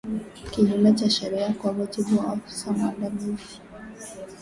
kinyume cha sheria kwa mujibu wa afisa mwandamizi